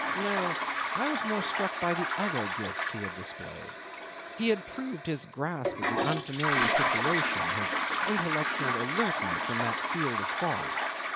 No. I was more struck by the other gifts he had displayed. He had proved his grasp of the unfamiliar situation, his intellectual alertness in that field of thought.